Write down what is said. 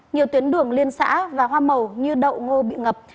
nhiều tuyến đường liên xã và hoa màu như đậu ngô bị ngập